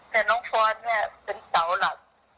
แต่น้องฟอสเนี่ยเป็นเสาหลัก